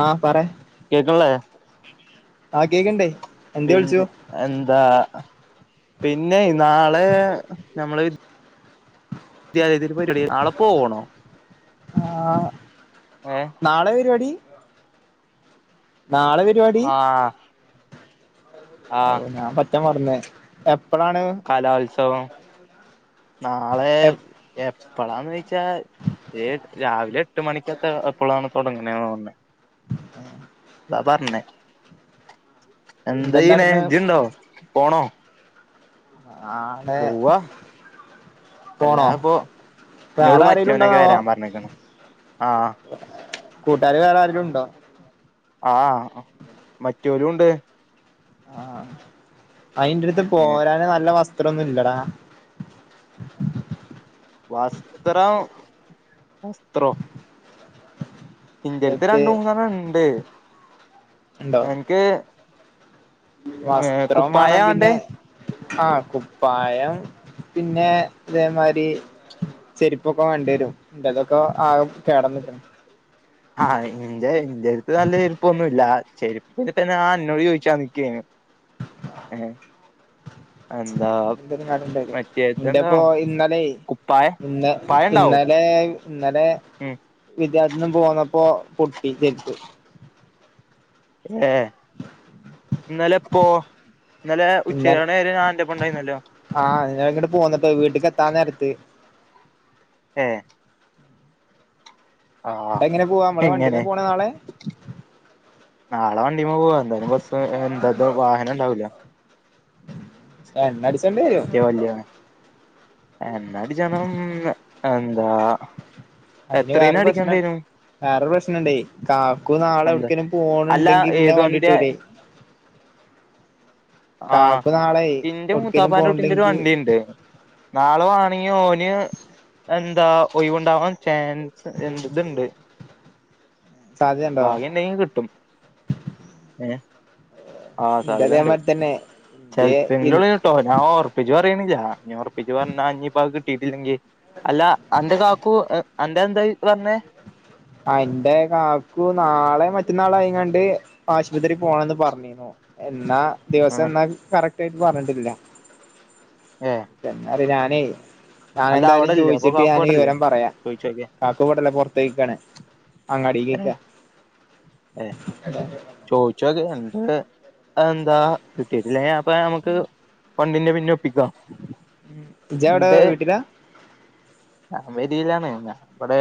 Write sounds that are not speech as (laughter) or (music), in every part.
ആഹ് പറേ. കേക്കൺലെ. ആഹ് കേക്ക്ണ്ടെയ് എന്ത്യെ വിൾച്ചു? പിന്നെ എന്താ പിന്നെയ് നാളെ നമ്മള് ദ്യാലയത്തില് പര്പാടി, നാളെ പോണോ? ആഹ് ഏ നാളെ പരുവാടി നാളെ പ ആഹ്. ഔ ആഹ് ഞാൻ പറ്റെ മർന്ന് എപ്പളാണ്? കലോത്സവം നാളെ എ എപ്പളാന്നോയ്ച്ചാ ഏഹ് രാവിലെ എട്ട് മണിക്കെത്ത എപ്പളാണ് തൊടങ്ങ്ണെ തോന്ന്ണെ തോന്നുന്ന്. ഏഹ്? അതാ പറഞ്ഞെ എന്താ ചെയ്യണേ എന്തെന്താട്ടണ് ജ്ജ് ഇണ്ടോ, പോണോ? ആഹ്. പോവാ. അല്ലാ പോണോ ഇപ്പൊ എന്നോട് വേറെ ആരെലും മറ്റവനൊക്കെ ഉണ്ടോന്നാവോ വരാൻ പറഞ്ഞിക്ക്‌ണു ആഹ്. കൂട്ടുകാര് വേറെ ആരേലുണ്ടോ? ആഹ് മറ്റോരും ഉണ്ട്. ആഹ് അയിന്റെ എടുത്ത് ഏ പോരാന് നല്ല വസ്ത്രോന്നു ഇല്ലടാ. വസ്ത്രം വസ്ത്രോ ഇന്റെടുത്ത് ത്ത് രണ്ട് മൂന്നണ്ണം ഇണ്ട് എൻക്ക് വസ്ത്രോം വേണം പിന്നെ ആഹ് കുപ്പായം പിന്നെ ഇതേമാരി ചെരിപ്പൊക്കെ വേണ്ടി വരും എന്തെലൊക്കെ ആഗെ കേടൊന്നിട്ട്. ആഹ് എന്റെ എന്റെ അടുത്ത് നല്ല ചെരുപ്പൊന്നുല്ല ചെരുപ്പ് ഇതിപ്പ ഞാൻ അന്നോട് ചോദിക്കാൻ നിക്കെനു. ഏഹ്. എന്താ മറ്റേ (unintelligible) എന്റെ ബോ ഇതെന്താവും ഇന്നലെ കുപ്പായ ഇന്ന കുപ്പായ ഉണ്ടാവും ഇന്നലെ ഇന്നലെ ഉം. വിദ്യാർത്ഥിന്ന് പോന്നപ്പോ പൊട്ടി ചെരിപ്പ്. ഏഹ്. ഇന്നലെ എപ്പോ ഇന്നലെ ഇന്നലെ ഉച്ചയോടെ ഞാൻ അന്റൊപ്പം ഉണ്ടായിരുന്നല്ലോ. ആഹ് ഞാൻ ഇങ്ങട്ട് പോന്നപ്പോ വീട്ടിക്ക് എത്താൻ നേരത്ത്. ഏഹ്. ആഹ് എന്നിട്ട് എങ്ങനെ പോവാ നമ്മള് എങ്ങനെ? വണ്ടിമ്മേ പോണ നാളെ നാള വണ്ടിമേ പോവാ എന്താലും ബസ് എന്താലും വാഹനം ഉണ്ടാവൂല്ല. എണ്ണ അടിച്ചേണ്ടി വരും റ്റവല്ല്യ. എന്ന അടിചേര്ണം എന്താ അതിന് എത്രേന് വേറൊരു അടിക്കേണ്ടി പ്രശ്നിണ്ട്. വരും വേറെരു പ്രശ്നോണ്ടേ കാക്കു നാളെ എന്താ എവിട്ക്കേലും അല്ല പോണുണ്ടെങ്കി പിന്നെ ഏത് വണ്ടി വണ്ടിയാ കിട്ടൂല്ലേ. ആഹ് കാക്കു നാളെ ഇന്റെ എവിട്ക്കേലും മൂത്താപ്പാന്റെ കുട്ടിന്റെ ഒരു പോണുണ്ടെങ്കി വണ്ടിണ്ട് നാളെ വണേങ്കി ഓന് എന്താ ഒഴിവുണ്ടാവാൻ ചാൻസ് യെന്ദ് ഇതുണ്ട് സാധ്യതണ്ടോ ഭാഗ്യണ്ടെങ്കിൽ കിട്ടും ഏഹ് ഇന്റെ അതെ മാതി തന്നെ ചെലപ്പ എങ്കിലെ ഇന്റെ ഉള്ളുട്ടോ ഞാൻ ഉറപ്പിച്ച് പറയണില്ല ഇനി ഉറപ്പിച്ച് പറഞ്ഞാ അയിനിപ്പാ അത് കിട്ടിയിട്ടില്ലെങ്കിൽ അല്ല അന്റെ കാക്കു അന്റെ എന്താ ഈ പറഞ്ഞേ ആഹ് ഇന്റെ കാക്കു നാളെ മറ്റന്നാളയങ്ങാണ്ട് ആശുപത്രി പോണംന്ന് പറഞ്ഞിന്നു എന്നാ ആ ദിവസം എന്നാ കറക്റ്റ് ആയിട്ട് പറഞ്ഞിട്ടില്ല ഏ എന്നാല് ഞാനേ ഞാൻ അല്ല എന്തായാലും അവിടെല്ലേ അപ്പൊ ചോയിച്ചിട്ട് കാക്കു ഞാൻ അവിടെല്ലേ വിവരം പറയാം ചോയിച്ചോക്കെ കാക്കു ഇവടില്ല പുറത്തെയ്ക്കാണ് അങ്ങാടിക്ക് പോയ്ക ഏഹ് ചോയിച്ച് നോക്ക്‌ എന്നിട്ട് അഹ് എന്താ കിട്ടിട്ടില്ലേ അ പ്പ നമുക്ക് വണ്ടിന്റെ പിന്നെ ഒപ്പിക്കാം ഇജ്ജ് എവിടെ എന്നിട്ട് വീട്ടിലാ ഞാൻ പെരിയിലാണ് ഞാൻബടെ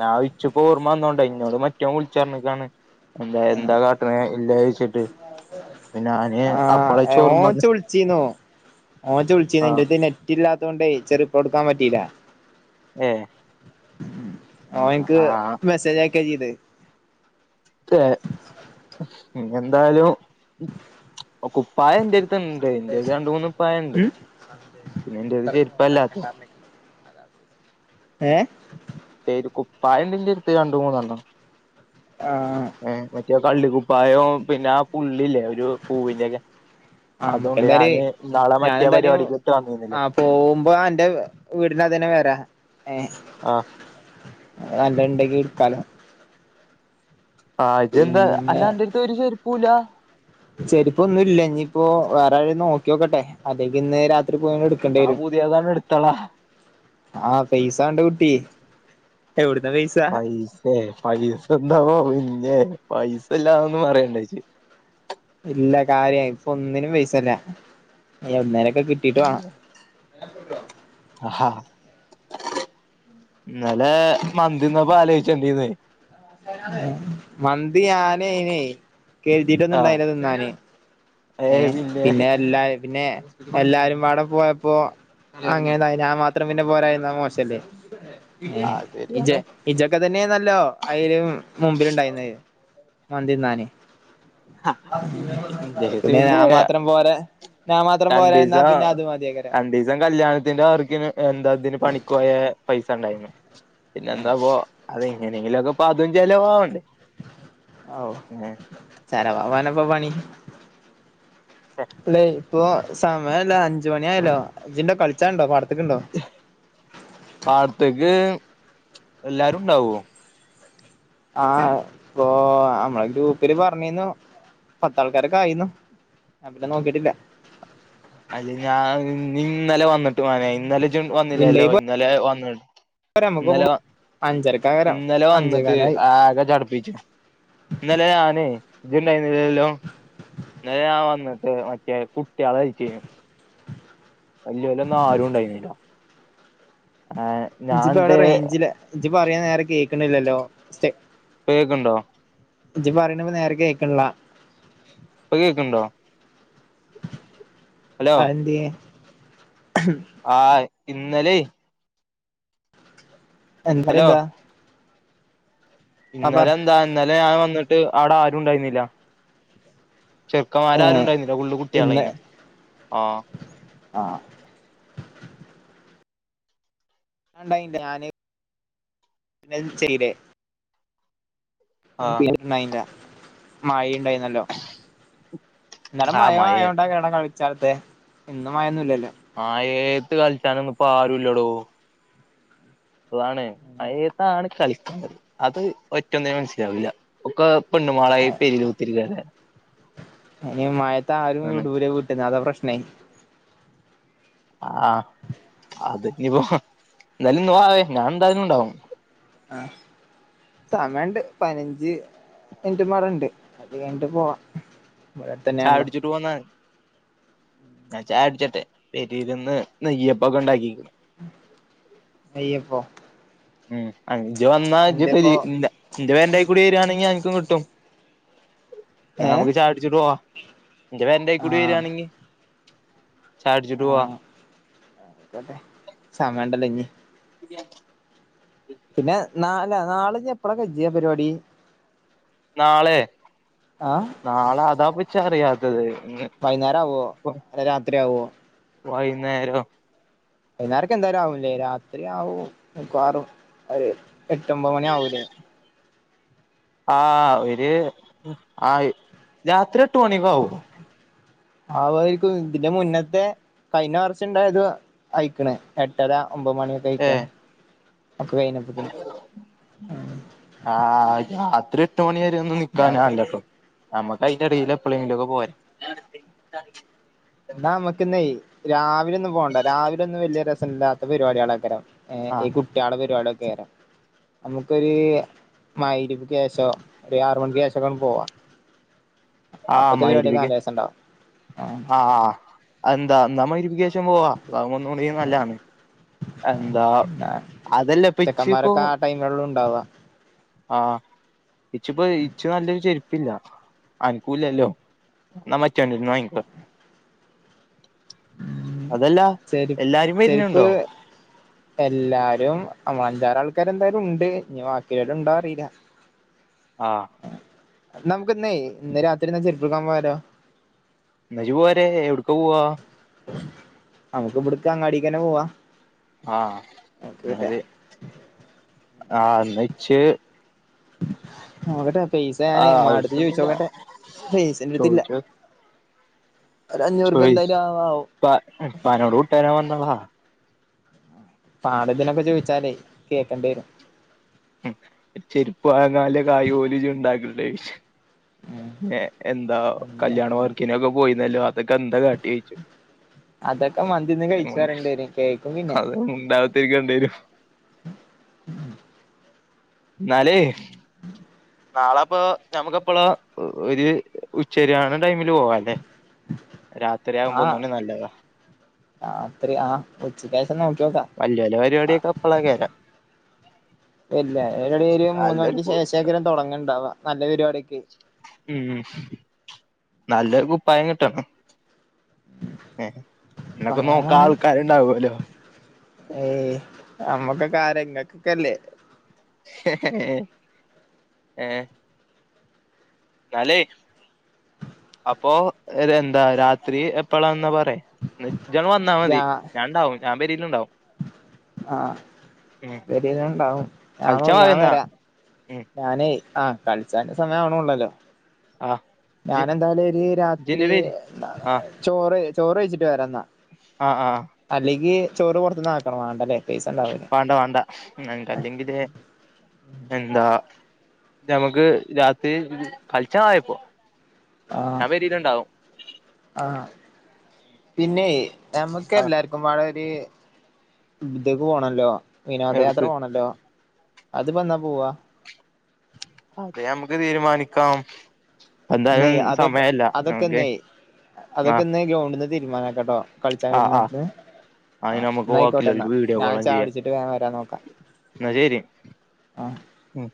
ഞാൻ ഇച്പ്പ ‌ ഓർമ്മ വന്നോണ്ടോ ഇന്നോട് മറ്റേൻ വിളിച്ചർഞ്ഞക്കാണ് എന്താ എന്താ കാട്ടണ ഇല്ല ചോയിച്ചിട്ട് പിന്നെ ഞാന് ആഹ് അപ്പളേച്ച് ഓർമ്മ ഓൻ ഹെ വന്ന് ഇച് വിളിച്ചിന്നു ഓൻ ഇച് വിളിച്ചിന്നു ആഹ് ഇന്റടുത്ത് നെറ്റില്ലാത്തൊണ്ടേ ഇച്ച് റിപ്ലൈ കൊടുക്കാൻ പറ്റിയില്ല ഏഹ് ഓൻ ഇക്ക് ആഹ് മെസ്സേജ് അയക്കാ ചെയ്തേ ക്കെ ഇന്നി എന്തായാലും കുപ്പായം ഇന്റെ അടുത്ത് ഇ എന്റെല് രണ്ട് മൂന്ന് കുപ്പായണ്ട് ഉം പിന്നെ എന്റെല് ചെരുപ്പല്ലാത്ത് ഏഹ് ഏത് കുപ്പായണ്ട് ഇൻ്റെടുത്ത് രണ്ട് മൂന്നെണ്ണം ആഹ് എഹ് മറ്റേ കള്ളിക്കുപ്പായോ പിന്നെ ആ പുള്ളില്ലേ ഒരു പൂവിന്റെക്കെ ആഹ് മ്മുക്ക് അതുണ്ട് എന്തായാലും ഞാന് ഇന്നാളെ മറ്റേ ഞാനെന്തായാലും പരിപാടിക്ക് ഇട്ട് വന്നിരുന്നില്ലേ ആഹ് പോവുമ്പോ അൻ്റെ വീടിൻ്റെ അതിനെ വരാ ഏഹ് ആഹ് അവിടെ നല്ലത് ഇണ്ടങ്കി ഇടുക്കാലോ ആഹ് ജ്ജ്ന്ന് അല്ല പിന്നെ അല്ലാന്റെടുത്ത് ഒരു ചെരുപ്പൂല്ലാ ചെരിപ്പൊന്നും ഇല്ല ഇനിയിപ്പോ വേറെ ആരേം നോക്ക്യോക്കട്ടെ അല്ലെങ്കി ഇന്ന് രാത്രി പോയണ്ട് ന്നാ പുതിയതണ്ട് എടുത്താളാ ആഹ് പൈസ വേണ്ടേ കുട്ടി എവിടുന്ന പൈസ പൈസേ പൈസ എന്താ ഓ പിന്നേ പൈസല്ലാന്ന് പറയണ്ട ഇച്ച് ഇല്ല കാര്യയി ഇപ്പൊ ഒന്നിനും പൈസല്ല ഞിവടന്നേലൊക്കെ കിട്ടീട്ട് വണം (unintelligible) ആഹ്ഹ ഇന്നലെ മന്തിന്നപ്പോ ആലോചണ്ടീന്ന് മന്തി ഞാനയിനെ കരുതിട്ടൊന്നും ആഹ് ഇണ്ടായില്ല തിന്നാന് ഏഹ് പിന്നെ എല്ലാര് പിന്നെ എല്ലാരും പാടെ പോയപ്പോ അങ്ങനെ തിന്നായ ഞാൻ മാത്രം പിന്നെ പോരായിരുന്ന മോശല്ലേ ഏഹ് അത് ഇജ് ശരിയാണ് ഇജൊക്കെ തന്നെന്നല്ലോ അയിലും മുമ്പില് ഇണ്ടായിരുന്നത് മന്തിന്നാന് പിന്നെ ഞാൻ മാത്രം പോരെ രണ്ടീസ രണ്ടീസം കല്യാണത്തിന്റെ വർ ക്കിന് എന്താ ഇതിന് പണിക്ക് പോയ പൈസ ഇണ്ടായിരുന്നു പിന്നെ എന്താപ്പോ അതെങ്ങനെങ്കിലൊക്കെപ്പതും ചെലവാവണ്ടേ ഔ ഏഹ് ചെലവാവാനപ്പ പണി പ്പളേ ഇപ്പൊ സമയന്താ അഞ്ച് മണിയായല്ലോ. ഇജ്ണ്ടോ കൾച്ചാണ്ടോ പാടത്ത്ക്ക്ണ്ടോ പാടത്ത്ക്ക് എല്ലാരുണ്ടാവ്വോ ആഹ് ഇപ്പൊ അമ്മളെ ഗ്രൂപ്പില് പർഞ്ഞീന്നു. പത്താൾക്കാരൊക്കായീന്നു ഞാൻ പിന്നെ നോക്കിട്ടില്ല അല്ല ഞാൻ ഉം നീ ഇന്നലെ വന്നിട്ട് മനേ ഇന്നലെജ് വന്നില്ലല്ലോ ഇണ്ടെങ്കി പോരാ ഇന്നലെ വന്ന് നമ്മക്ക് ഇന്നലെവ അഞ്ചരക്കകരം ഇന്നലെ വന്നിട്ട് അഞ്ചേകാലായി ആകെ ചട്പ്പിച്ചു ഇന്നലെ ഞാനെ ഇജ്ണ്ടായിരുന്നില്ലല്ലോ ഇന്നലെ ഞാൻ വന്നിട്ട് മറ്റേ കുട്ട്യാളൾച്ചേനു വല്ല്യോലൊന്നു ആരുണ്ടായിന്നീല ആ ഇജ്ജ്പ്പ എവിടെ റേഞ്ചില ഇജ്പറയണ് നേരെ കേക്കണില്ലല്ലോ സ്റ്റെ പ്പ കേക്ക്ണ്ടോ ഇജ് പറിണപ്പനേരെ കേക്ക്ൺല്ല പ്പ കേക്ക്ണ്ടോ ഹലോ അഎന്ത്യേ ആഹ് ഇന്നലെയ് അഹ് ഹലോ ഇന്നലെന്താ പറ ഇന്നലെന്താ ഇന്നലെ ഞാൻ വന്നിട്ട് അവിടെ ആരുണ്ടായിരുന്നില്ല ഏ ചെറുക്കമാരാരുണ്ടായിരുന്നില്ല ഫുള്ള് കുട്ട്യാളേനു ആഹ് ആഹ് ഞാണ്ടായിണ്ട് ഞാന് (unintelligible) ചെയ്തേ ആ (unintelligible) മയീണ്ടേന്നല്ലോ ഇന്നലെ ആ മഴ മഴയത്ത് ആയോണ്ടകെണ കളി ചാത്തെ ഇന്നുമഴൊന്നുല്ലല്ലോ മയേത്ത് കൾച്ചാനൊന്നുപ്പൊരുല്ലടോ അതാണ്, മയേത്താണ് കളിക്കണ്ടത് അത് ഒറ്റൊന്നിനും മനസ്സിലാവൂല്ല ഒക്ക പെണ്ണ്മോളായി പെരേല് കുത്തിരിക്കേക്കാരം അയ്‌ന് മഴയത്താരും വിടൂല വീട്ട്ന്ന്. അതാ പ്രശ്നെ ആഹ് അത് ഇനിപ്പോ എന്തായാലും ന്ന് വാവെ ഞാൻ എന്തയാലുണ്ടാവും ആഹ് സമയണ്ട് പയ്നഞ്ച് മിൻറ്റുംമ്പാടെണ്ട്. അത് കഴിഞ്ഞിട്ട് പോവാ ഇവിടെ ചായ അടുത്തന്നെയാണല്ലോ കുടിച്ചിട്ട് പോന്നമതി ഞാൻ ചായട്ച്ചട്ടെ പെരേല്ന്ന് നെയ്യപ്പൊക്കെണ്ടാക്കിക്ക്ണ് നെയ്യപ്പൊ ഉം അങ് ഇജ് വന്നാ ഇജ് പെരീ എന്റെപ്പോ ഇല്ല ഇന്റെ പെരന്റയ്കൂടി വരാണെങ്കി അൻക്കും കിട്ടും. ഏ ന്നാഅമ്മക്ക് ചായകുടിച്ചിട്ട് പോവാ. ഇന്റെ പെരന്റയ്കുടി ആഹ് വരാണെങ്കി ചായ കുടിച്ചിട്ട് പോവാ. ആഹ് അയ്ക്കോട്ടെ സമയണ്ടല്ലൊഞ്ഞി ബിരിയാണി പിന്നെ നാ അല്ല നാളെജ്ജെപ്പളാ കജ്ജ പരിവാടി നാളെ ആഹ് നാളെ അതാപ്പൊ ഇച്ചും അറിയാത്തത് ഇന്ന് വൈകുന്നാരം ആവോ ഇപ്പം അതോ രാത്രി ആകുവോ വൈന്നേരം വൈന്നാരൊക്കെ എന്തായാലും ആവുംലേ രാത്രി ആവും മിക്കവാറും ഒര് എട്ട് ഒമ്പത് മണി ആവൂല്ലേ ആഹ് ഒര് ആഹ് രാത്രി എട്ട് മണി ഒക്കെ ആവും ആവായിരിക്കും ഇതിന്റെ മുന്നത്തെ കഴിഞ്ഞ വർഷം ഇണ്ടായത് അയ്ക്ക്ണ് എട്ടര ഒമ്പത് മണി ഏഹ് (unintelligible) ആഹ് രാത്രി എട്ട് മണി വരെ ഒന്നും ഇണ്ടാവും നിക്കാനാവില്ലട്ടോ ഞമ്മക്ക് അയ്ന്റെ എടേല് എപ്പളെങ്കിലും ഒക്കെ പോരെയ് ഇന്നാ നമ്മക്ക് ഇന്നേയ് രാവിലെ ഒന്നും പോണ്ട രാവിലെ ഒന്നും വല്ല്യെ രസല്ലാത്ത പരിപാട്യേളാകാരം ഏഹ് ഈ ആഹ് കുട്യാളെ പരിപാടി ഒക്കെരം ഞമ്മക്കൊര് മഗ്‌രിബിക്ക് ശേഷം ഒര് ആറ് മണിക്ക് ശേഷം ഒക്കെ പോവാ ആഹ് അപ്പത്തെ പരിപാടിയൊക്കെ മഗ്‌രിബിക്ക് നല്ല രസണ്ടാവും അതെന്താ ന്നാ മഗ്‌രിബിക്ക് ശേഷം പോവാ അതാവുമ്പൊ (unintelligible) നല്ലതാണ് എന്താ അതല്ല ഇപ്പ ഇച്ച് ഇപ്പോ ടൈമൊള്ളൂ ഇണ്ടാവാ ആഹ് ഇച്ചിപ്പൊ ഇച്ച് നല്ലൊരു ചെര് പ്പില്ല. അനക്കൂലല്ലോ ഇന്നാ മറ്റോട്ത്ത്ന്ന് വാങ്ങിക്കാ അതല്ല ചെരി എല്ലാരും ചെരുപ്പ് വര്ന്ണ്ടോ എല്ലാരും അഞ്ചാറ് ആൾക്കാര് എന്തായാലും ഉണ്ട്. ഇനി ബാക്കിള്ളോര് ഇണ്ടാ അറീല്ല. ആഹ് ഇന്നാ നമുക്ക് ഇന്നേയ് ഇന്ന് രാത്രി ഇന്നാ ചെരുപ്പ് എടുക്കാൻ പോയാലോ. ന്നാ ഇജ് പോര് എവ്ടക്ക പോവാ നമുക്ക് ഇബ്ട്ക്ക് അങ്ങാടിക്ക് തന്നെ പോവാ ആഹ് നോക്കട്ടെ മതി ആഹ് ഇന്നാ ഇച്ച് നോക്കട്ടെ പൈസ ഞാന് ആഹ് ഇമ്മാന്റെടത് ആവശ്യൊന്നുല്ല ചോയിച്ചോക്കട്ടെ പൈസ ഇന്റട്ത്ത് ഇല്ല. ചോദിച്ചോ ഒരു അഞ്ഞൂറുപ്യ ചോയി എന്തായാലും ആവും. ഇപ്പ ഇപ്പാനോട് (unintelligible) (unintelligible) ചോയ്ച്ചാലെ കേക്കണ്ടി വരും ചെരുപ്പ് വാങ്ങാലെ കായ് പോലും ഇജ് ഇണ്ടാക്ണ്ല്ലെ ചോയ്ച്ചും. ഉം ഏഹ് എന്താ എന്താ കല്യാണ വർക്കിനൊക്കെ പോയിന്നല്ലോ അതൊക്കെ എന്താ കാട്ടിയേച്ചും അതൊക്കെ മന്തിന്ന് കഴിച്ചു പറയേണ്ടി (unintelligible) വരും കേക്കും പിന്നെ അതെന്താ (unintelligible) ക്കേണ്ടി വരും എന്നാലേ (inaudible) നാളെപ്പം ഞമ്മക്ക് എപ്പളാ ഒരു ഉച്ചരിയാണ ടൈമില് പോവാ രാത്രിയാകുമ്പോ ആഹ് ഒന്നൂടി നല്ലതാ രാത്രി ആഹ് ഉച്ചക്ക് ശേഷം നോക്കിയോക്കാം വല്യ വല്യ ആഹ് പരിപാടിയൊക്കെ അപ്പളാ കേരാ പിന്നെ ഇവിടെ ഒരു മൂന്ന് നല്ലൊരു മണിക്ക് ശേഷങ്കിലും തുടങ്ങണണ്ടാവാ നല്ല പരിപാടിയൊക്കെ ഉം നല്ല ഒരു കുപ്പായം കിട്ടണം ഏഹ് എന്നൊക്കെ പറയാൻ നോക്കാൻ വേണം ആൾക്കാരുണ്ടാവല്ലോ ഏയ് അമ്മക്കൊക്കാരാ നിങ്ങക്കൊക്കെല്ലേ ഏഹ് ഇന്നാല്ലേ അപ്പൊ എന്താ രാത്രി എപ്പളാന്നാ പറയ് ജ്ജ്ങ്ങട്ട് വന്നാൽ മതി ഞാ ഞാൻ ണ്ടാവും പെരിലുണ്ടാവും ആഹ് പെരിൽ ഇണ്ടാവും ഞാനോ കളിച്ചാ വാ ഞാൻ എന്നാ വരാ ഉം ഞാനേ ആഹ് കളിച്ചാള്ള സമയം ആവണോള്ളല്ലോ ആ ഞാൻ ഇജ്ജ് എന്തായാലും ഒരു രാത്രി ഇജ്ജിന്റെ പേര് ആ ചോറ് ചോറ് കയിച്ചിട്ട് വരാ എന്നാ ആഹ് ആഹ് അല്ലെങ്കി ചോറ് പുറത്തുന്ന് ആക്കണോ വേണ്ടല്ലേ പൈസ ഉണ്ടാവില്ല വാണ്ട വാണ്ട ഇൻ്റെടുത്ത് അല്ലെങ്കിലേ എന്താ ഞമ്മക്ക് രാത്രി കളിച്ചാ ആയപ്പോ ആഹ് ആഹ് പിന്നെ ഞമ്മക്ക് ആ എല്ലാർക്കും (unintelligible) ഒരു ഇത്ക് പോണല്ലോ വിനോദയാത്ര എവിടുക്ക് പോണല്ലോ അത്പ്പം എന്നാ പോവാ അത് നമുക്ക് തീരുമാനിക്കാം എന്തായാലും നെയ് അതൊക്കെ സമയല്ല അതൊക്കെ നമുക്ക് നെയ് ആ അതൊക്കെന്ന് ഗ്രൗണ്ട്ന്ന് തീരുമാനാക്കട്ടോ കളിച്ചാ ആ ആ വരുന്നൊവിട്ന്ന് അയിന് ആഹ് നമുക്ക് എന്നായിക്കോട്ടെന്നാ ബാക്കിയുള്ളോർക്ക് വീഡിയോ ഞാൻ കോളും ചെയ്യാം ചായകുടിച്ചിട്ട് വേഗം വരാൻ നോക്കാം എന്നാ ശരി ആഹ് ഉം